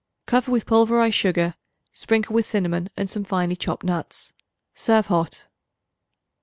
Cover with pulverized sugar; sprinkle with cinnamon and some finely chopped nuts. Serve hot.